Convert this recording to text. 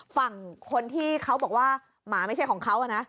ฝั่งคนที่เขาบอกว่าหมาไม่ใช่ของเขานะ